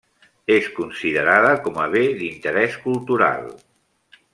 És considerada com a Bé d'Interés Cultural.